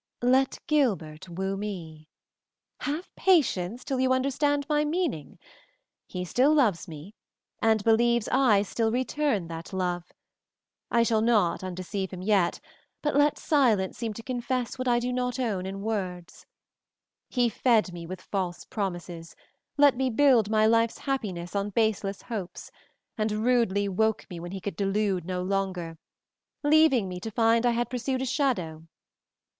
"Let Gilbert woo me have patience till you understand my meaning; he still loves me and believes I still return that love. I shall not undeceive him yet, but let silence seem to confess what I do not own in words. He fed me with false promises, let me build my life's happiness on baseless hopes, and rudely woke me when he could delude no longer, leaving me to find I had pursued a shadow.